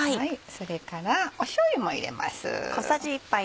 それからしょうゆも入れます。